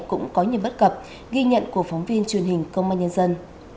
cũng có nhiều bất cập ghi nhận của phóng viên truyền hình công an nhân dân